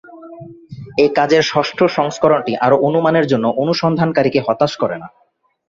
এই কাজের ষষ্ঠ সংস্করণটি আরও অনুমানের জন্য অনুসন্ধানকারীকে হতাশ করে না।